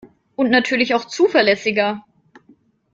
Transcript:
Und natürlich auch zuverlässiger.